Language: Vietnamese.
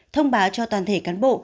thông báo cho toàn thể cán bộ